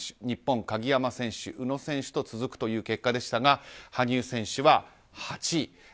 日本、鍵山選手、宇野選手と続くという結果でしたが羽生選手は８位。